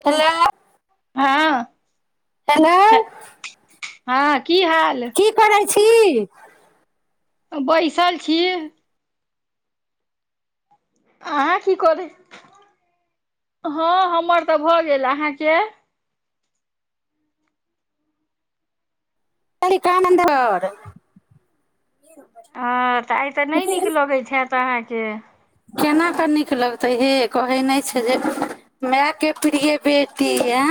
त हेलो हँ हेलो हाँ की हाल की करै छी बैसल छी अहाँ की करी हँ हमर तऽ भऽ गेल अहाँके हर आानन्दवर [inaudible] ह तऽ आइ तऽ नहि नीक लगैत छथि तऽ अहाँके केना कऽ नीक लगतै हे कहै नहि छै जे मायके प्रिय बेटी आ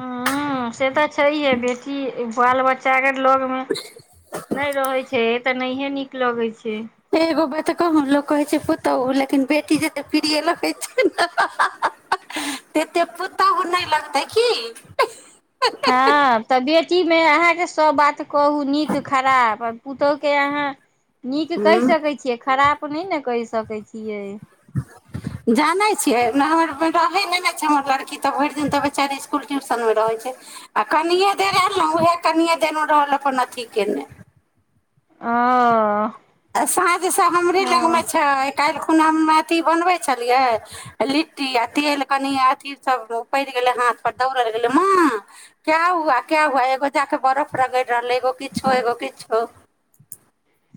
हुँ से तऽ छैहे बेटी बाल बच्चाके लोग मे नहि रहै छै तऽ नहि इ नीक लगै छै एगो बतऽ कहँ लोक कहै छै पुतोहु लेकिन बेटी जेतेप्रिय लगै छै ने हह ह एते पुतोहु नहि लगतै की हँ त बेटी टी मे मे अहाँके सभ बात कहू नीक खराब पुतोहुके अहाँ नीक कहि सकै छियै खराब अपने नहि न कहि सकैत छियै जानै छियै नहि हमर रहै नहि ने छै हमर लड़की तऽ भरि दिन तऽ बेचारे इसकुल ट्यूशनमे रहै छै आ कनिए देर आयल ने उएह कनिए देेलहु रहल अपन अथि कयने अं ह आ साँझ सब हमरे लगमे छै काल्हि अथी बनबै छलियै लिट्टी आ तेल कनि अथी सभ उपड़ि गेलै हाथ परर दौड़ल गेलै माँ क्य हुआ क हुआ एगो जा कऽ बरफ रगड़ि रहलै एगो किछो एगो किछो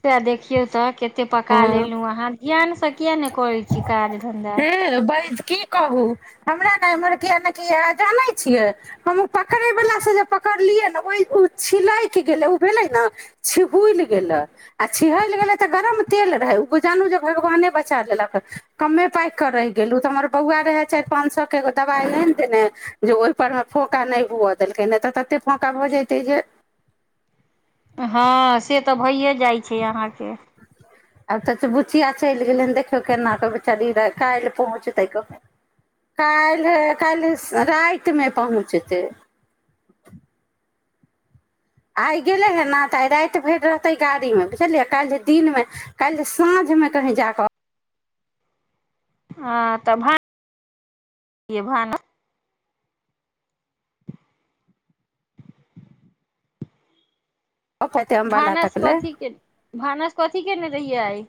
से देखियौ तऽ ओते पका लेलहुँ अहाँ ध्यानसँ कििया नहि करैत छी काज धन्धा हे बैज की कहू हमरा ने एम्हर कि नहि कि जानै छियै हम पकड़ैवलाासँ जे पकड़लियै ने ओहि ओ छिलकि गेलै ओ भेलै ने छिहुल गेलै आ छिहल गेलै तऽ गरम तेल रहै ओ जानू जे भगवाने बचा लेलक कममे पाकि कऽ रहि गेलहुँ तऽ हमर बौआ रहय चारि पाँच सएके एगो दबाइ ल ने देने जे ओहिपरमे फौँका नहि हुअ देलकै नहि तऽ ततेक फौँका भऽ जयतै जे हँ से तऽ भइए जाइ छै अहाँके आब तऽ बुचिया चलि गेलै ह देखियौ केना कऽ बेचारी काल्हि पहुँचतै क काल्हि काल्हि रातिमे पहुँचतै आइ गेलै हे ने तऽ आइ राति भरि रहतै गाड़ीमे बुझलियै काल्हि दिनमे काल्हि जे साँझमे कहीँ जा कऽ ह तऽ भ भानस पेते अम्बाला तक भानस ले कथी के भानस कथी की केने रहि आइ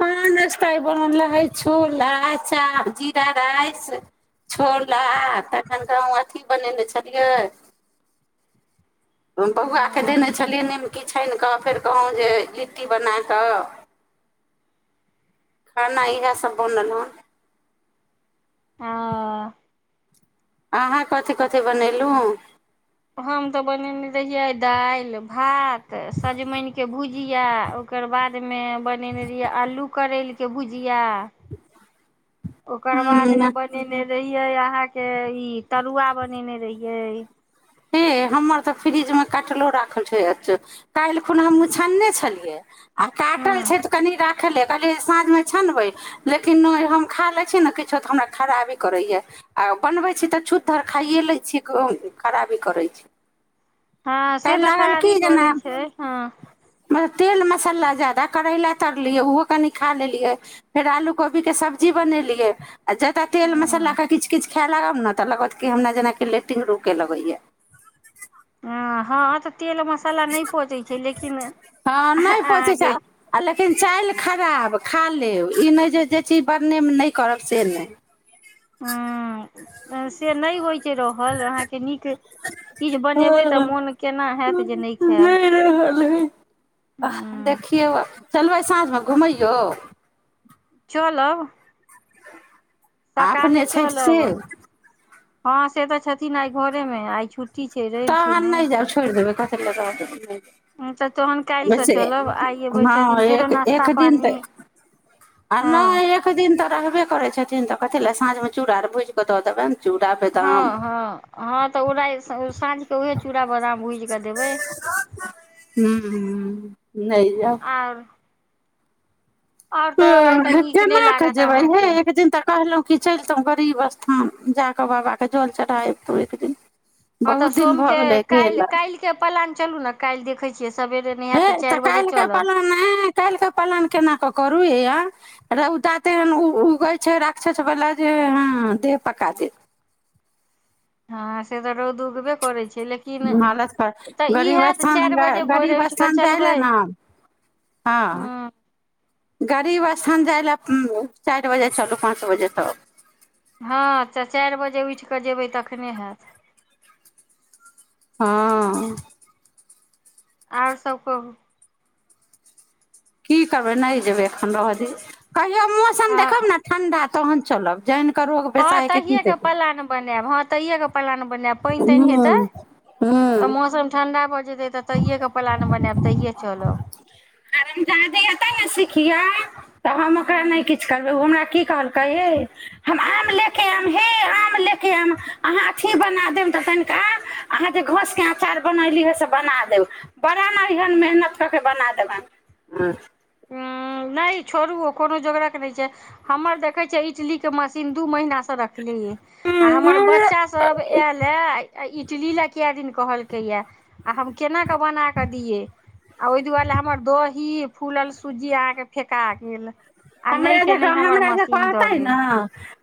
हँ नस्ता बन रहै छोला जीरा राइस छोला तखन कहु जें अथी बनेने छलियै ओ बौआके देने छलियै नीमकी छानि कऽ फेर कहौ जे लिट्टी बना कऽ खाना इहा सब बनल हन हँ आ अहाँ कथि कथि बनेलहुँ हन हम तऽ बनेने रहियै दालि भात तऽ सजमनिके भुजिया ओकर बादमे बनेने रहियै आल्लूके करैल के बुजीया किया ओकर बाद मे बनेने रहिय येय अहाँके ई तरुआ बनेने रहियै हे हमर तऽ फ्रिजमे काटलो राखल छैछो काल्हि खुन हम मुछानने छलियै आ काटल हँ छै तऽ कनि राख खेलियै कहलियै साँझमे छनबै लेकिन हम खा लै छी ने किछो तऽ हमरा खराबी करैए आ बनबै छी तऽ छूत धर खाइए लै छी खराबी करै छै हँ से तऽ खराबी करै छै हँ तेल मसाला ज्यादा करैला तरलियै ओहो कनि खा लेलियै फेर आलू कोबीके सब्जी बनेलियै अच्छा ता तेल ह मसालाक क किछ किछु खाय लागब ने तऽ लगत क हमरा जेनाक लेटिन रु के लगेया आ हँ तऽ तेल मसाला नहि पोचैत छै लेकिन हँ नहि पचै छै अहाँके आ लेकिन चालि खराब खा लेब ई नहि जे जे चीज बननेमे नहि करब से नहि ह से नै होय से रहल अहाँ कें नीक चीज बनेबै तऽ हँ मोन केना हत जे नहि खायब हइ देखियौ चलबै साँझमे घुमैयौ चलब सकाले अपने छथि से चलब हँ से तऽ छथिन आइ घरेमे आइ छुट् तऽ नहि जाउ छोड़ि देबै क तऽ तहन काल्हिसँ लैसे चलब आइ भरि हँ छथिन फेरो एक एक नाश्ता दिन तऽ पानी आ हँ नहि एक दिन तऽ रहबे करै छथिन तऽ कथि लए साँझ मे चूड़ आर भुज कऽ दऽ देबनि चूड़ा बदाम हँ हँ हँ तऽ उरा सझ चूरा बदाम भुज कऽ देबै ह नहि जाउ आर आओर तऽ आइ तऽ ओ नीक नहि केना एक लागत जे भइ हे अहाँके एक दिन त कहलहु कि चलितहुँ गरीब स्थान जाकऽ बाबाके जल चढ़ाबितहुँ एक दिन हँ तऽ बहुत दिन सोम भऽ के गेलै गेल काल्हि काल्हि के पलान चलू ने काल्हि द खै छिय हे तऽ काल्हिके पलान ह काल्हिके पालन केना कऽ करू हे आ रौदा ते एहन उगै छै राक्षस बला जे ह देह पका देत हँ से तऽ रौद उगबे करै छै लेकिन हालतप तऽ ई गरीब हैत स्थान चारि ग बजे भोरे गरीब उठि कऽ स्थान जा अयलए चलबै ने हँ गरीब स्थान जाय लए चारि बजे चलू पाँच बजे तब हँ तऽ चारि बजे उठि कऽ जयबै तखने हैत हँ आओर सभ कहु की करबै नहि जेबै एखन रहऽ द कहियौ मौसम हँ देखब ने ठण्डा तहन चलब जन करहो पैसा हेके की करब ब हँ तैय प्लान बनाएब पानि तानि हेतै तऽ हूँ मौसम ठंडा ब त प्लान बनाब तहिये चलब ह तऽ हम ओकरा नहि हूँ किछु करबै ओ हमरा की कहैे हम आ ले आ हे आम ले के आम अहाँ अथ बना देम तऽ तनिक अहाँ जे घसके आचार बनी बना देब बड़ा ने एहन मेहनत कऽ के बना देबनि उ न छोड़ु कोनो जोगरक के नहि छै हमर देखै छियै इडली के मशीन दू महीना से रखलियै आ हमर बच्चास सब आयले इटली लए क दिन कहलकै यए आ हम केनाकऽ बना कऽ दियै आ ओहि दुआरे हमर दही फुलल सूजी अहाँके फेका गेल आ नहि हमरा के जे नहि हमर हमरा जे मशीन दऽ कहतै ने गेल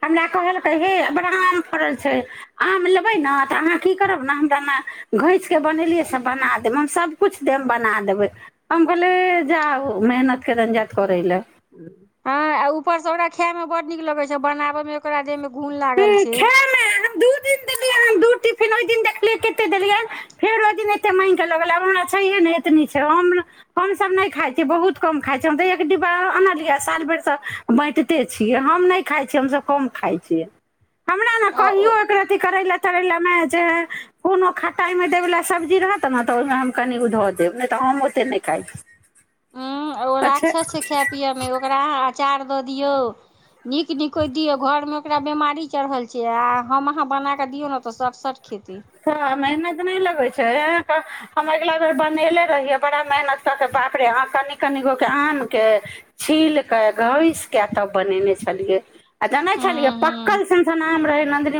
हमरा कहलकै हे बड़ा आम फड़ल छै आम लेबै ने तऽ अहाँ की करब ने हमरा ने घैसि के बनेलियै से बना देब हम सभकिछु देब बना देबै हम कहलिय जाउ मेहनतके रञ्जत करै लए [unintelligible] ऊपर से ओकरा खाय में बड नीक लगै छै बनावे मे ओकरा दे मे ह खायमे दू दिन दे द फेर ओहि दिन देखलियै कतेक देलियै फेर ओहि दिन एतेक माङगिक कऽ लगल आब हमरा छैहे नहि एतनी छै हम हमसभ नहि खाइत छियै बहुत कम खाइत छिय हम तऽ एक डिब्बा आनलियै साल भरिसँ बाँटिते छियै हम नहि खाइत छियै हमसभ कम खाइत छियै हमरा ने आ कहियो ओ एकर अथी करै लए त लमे जे कोनो खटाइमे देबैला सब्जी रहत ने तऽ ओहिमे हम कनि धऽ देब नहि तऽ हम ओतेक नहि खाइ छी ह ओ अच्छा राक्षस छै खाय पियए मे ओकरा अचार द दियौ नीक न दियऔ घर मे ओकरा बीमारी चढ़ल छै आ हम अहाँ बनाक दियौ ने तऽ स सट खेत ह मेहनत नहि लगे छै हम अगिला हूँ बेर बनेले रहि बड़ा मेहनत कऽ कऽ बाप रे अहाँ कनि कनि गो के आमकेँ छील कऽ घैसि कऽ तब बनेने छलियै आ जाने छलियै हूँ पक्कल सन नाम रहे नद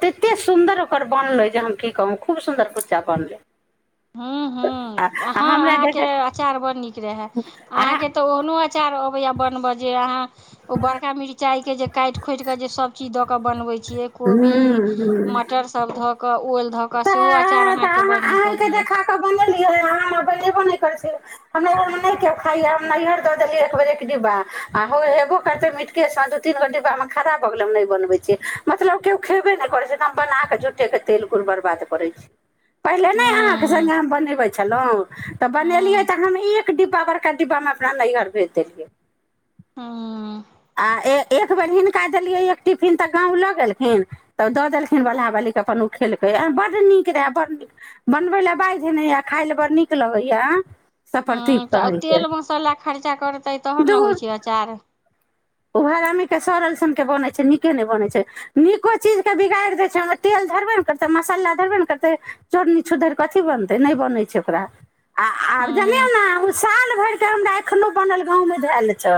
तेते सुन्दर ओकर बनलै जे हम की कहू खूब सुन्दर कुच्चा बनलै हूँ हूँ हँ आ हमरा अहाँके देख अचार बड़ नीक रहए आ अहाँके तऽ ओहनो अचार बन बका मिच मिरचाइके जे काटि खोटिकऽ जे सब चीज दऽ कऽ बनबै छियै हूँ कोबी हूँ मटर सब धऽ कऽ ओऊल धऽ कऽ सेहो अचार अहाँके बड़ नीक जे खा कै बनेबो नहि कर छै हम नहर नहि के खाइया हम नैहर दऽ देलियै एक बेर एक डिब्ा आ हो हेबो करते मिीटके से दू तीन गो डिब्बा मे खड़ा भऽ गेल हम नहि बनबै छीियै मतलब केओ खेबे नहि करैत छै त बना के जुटे के तेल गुड़बर बात करै छी पहिले नहि अहाँके हूँ सङ्गा हम बनबै छलहुँ तऽ बनेलियै हूँ तऽ हम एक एक डिब्बा बरका डिब्बामे अपना नैहर भेज देलियै हूँ हूँ आ ए एक बेर हिनका देलिये एक टिफिन त गांव लऽ गेलखिन तब द देलखिन बलहा बाली के अपन उ खेल बड्ड नीक रहए बड्ड नीक बनबय लए बाजिेने खाय लए बड़ नीक लगैए ह सफरती तऽ आ कहैके तेल मसाला खर्चा करतै तहन ने होइ छै अचार ओ हर आमीके सड़ल सनके बनै छै नीके नहि बनै छै नीको चीजके बिगाड़ि दै छै हममे तेल धरबे ने करतै मसाला धरबे ने करतै चोरनी छुद्धरि कथिी बनतै नहि बनै छै ओकरा आ आओर जनियो हूँ ने साल भर के हमरा एखनो बनल गांव मे धल छै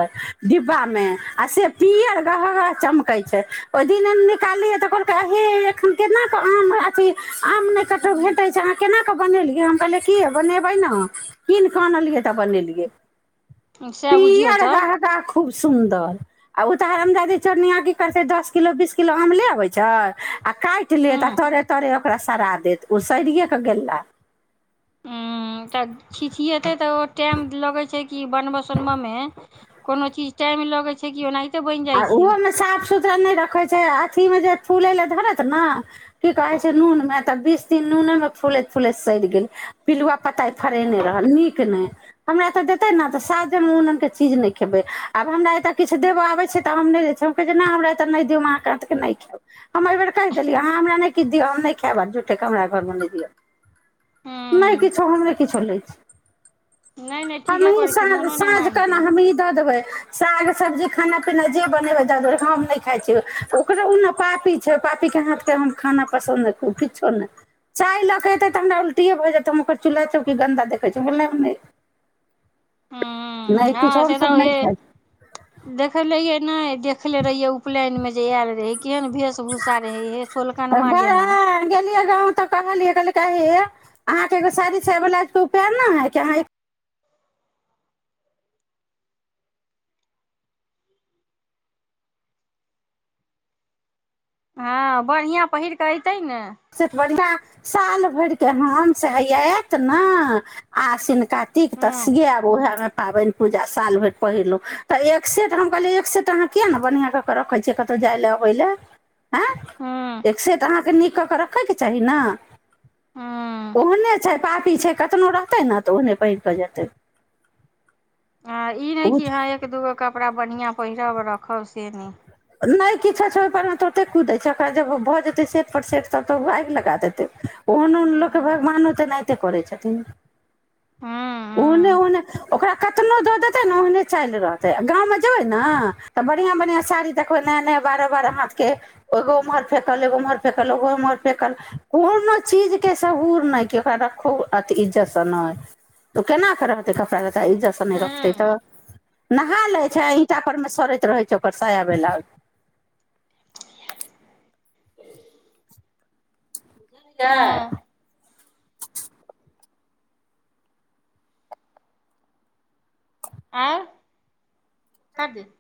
डिब्बा मे आ से पिअर गहक गह चमकै छै ओहि दिन निकाललियै तऽ कहलकै हे एखन केन कऽ आम अथी आम नहि कतहु भेटै छै अहाँ केना कऽ बनेलियै हम कहलियै की बनेबै ने कीन कऽ अनलियै तऽ बनेलियै सएह बुझियौ पीअर तऽ गह गह खूब सुन तऽ आ ओ तऽ हरमजादी चोरनिआँ की करतै दस किलो बीस किलो आमले अबै छै आ काटि हूँ लेत आ तड़े तरे ओकरा सरा देत ओ सड़िए कऽ गेला तऽ छिछिएतै तऽ ओ टाइम लगे छै कि बनब सोनब में कोनो चीज टाइम लगै छै क ओनाहि आ ओहोमे साफ सुथरा नहि रखे छै अथी मे जे फूले ल धरत ने की कहै छै नून मे तऽ बीस दिन नू मे फूलैत फूलैत सड़ गेल पिलुआ पताइ फड़ेने रहल नीक नहि हमरा तऽ देते ने त सात जन के चीज नहि खेबै आब हमरा ए किछु देब आबै छै तऽ नहिै हम कहै नहि हमरातऽ नहि दिय हम अहाँ क नहि खायउ हम एहि बेेर कहि देलियै अहाँ हमरा नहि किछु दिअ हम नहि खायब आ जूठेके हमरा घरमे नहि दिअ नहि हूँ किछो हम नहि किछो लै छी नहि नहि ठीके हमही करै छी साझं मोनो नहि साझं मानतै कऽ दऽ देबै सब्जी खाना जे बै हम नहि खाइ छियै ओकरा ओ पापी छै पापीके हाथके हम खाना पसन्दू किछो नहि चाय लऽकेऽतै तऽ हमरा उल्टिए भऽ जेतै हम ओकर चूल्हा चौ कि गन्दा देखै छिय नहि ह नहि किछु हँ से हमसभ तऽ नहि खाइ इ देख ल नहि देखले रहिय उपनयन में जे आयल रहै केहन वेश भूषा रहै हे सोलकनमा जेकां गांव तऽ कहलियै कहलै हे अहाँके एगो साड़ी साजा ब्लाउजके उपाय न हय कि अहाँ हँ बढ़ियां पहिर क अयत सेट बढ़ साल भरिक हसं आएत न आसिन कातिक हूँ तसगे आब उएह मे पाबनि पूजा साल भरि पहिरलहुँ तऽ एक सेट हम कहलियै एक सेट अहाँ किएक नहि बढ़िआँ कऽ कऽ रखै छियै कतहु जाय लेलए अबै लेलए हँ हूँ एकसेट अहाँ क कऽ कऽ रखयके चाही ने। हूँ ओहने छैय पापी छैय। कतनो रहतै ने तऽ ओहने पहिर कऽ जेतै। हां ई नहि ओ कि हँ एक दूगो कपड़ा बढ़िया पहिरब रखब से नहि नहि किछो छैय ओहिपरमे त ओते कुदै छैयओकरा जब भऽ जेतै सेटपर सेट तब तऽ ओ आगि लगा देतै ओहन ओहन लोककेँ हूँ भगवानो तेनाहिते करै छथिन। ओहने हूँ ओहने ओकरा कतनो दऽ देतै ने ओहने चालि रहतै गाँंव मे जेबय ने तऽ बढ़ियां बढ़ियाँ साड़ी देखबय नया नया बारह बारह हाथ के एगो उम्हर फेकल एगो उम्हर फेकल ओगो उम्हर फेकल कोनो चीज के शबूर नय के ओकरा रखो अ इज्जत से नय त केना के रहतय कपड़ा ल त इज्जत से हूँ नहि रखतय हूँ तऽ नहा लै छैय ईंटा पर मे सड़े रहै छैय ओकर साय बेलाउज [inaudible] हँ [unintelligible] आँय [unintelligible]